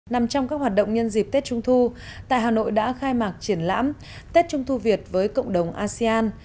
nằm trong các hoạt động nhân dịp tết trung thu tại hà nội đã khai mạc triển lãm tết trung thu việt với cộng đồng asean